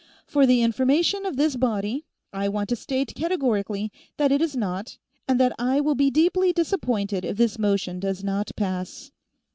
For the information of this body, I want to state categorically that it is not, and that I will be deeply disappointed if this motion does not pass."